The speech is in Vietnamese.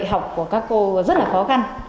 dạy học của các cô rất là khó khăn